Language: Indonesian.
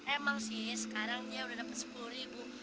emang sih sekarang dia udah dapat sepuluh ribu